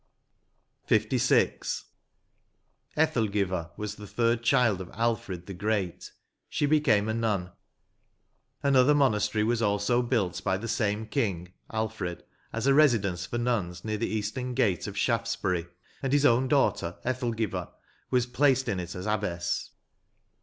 112 LVI. Ethelgiva was the third child of Al&ed the Great; she became a nun. ".•.. Another monastery also was built by the same King (Alfred) as a residence for nuns, near the eastern gate of Shaftsbury, and his own daughter Ethelgiva was placed in it as abbess.